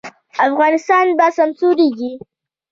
افغانستان به سمسوریږي